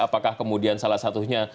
apakah kemudian salah satunya